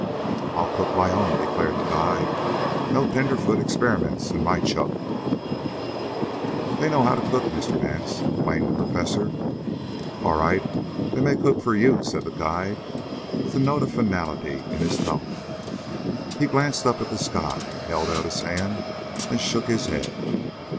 "I'll cook my own," declared the guide. "No tenderfoot experiments in my chuck." "They know how to cook, Mr. Nance," explained the Professor. "All right; they may cook for you," said the guide, with a note of finality in his tone. He glanced up at the sky, held out his hand and shook his head.